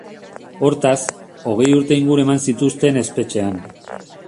Hortaz, hogei urte inguru eman zituzten espetxean.